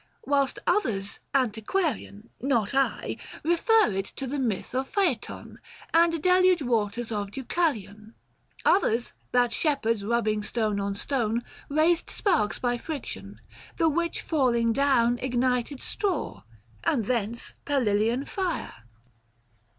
Whilst others, antiquarian, not I, Kefer it to the myth of Phaeton, And deluge waters of Deucalion :— 920 Others, that shepherds, rubbing stone on stone, Raised sparks by friction, the which falling down Ignited straw, and thence Palilian fire.